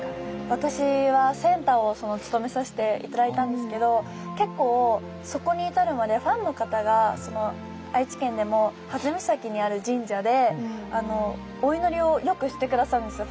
私はセンターをつとめさせて頂いたんですけど結構そこに至るまでファンの方が愛知県でも羽豆岬にある神社でお祈りをよくして下さるんですよ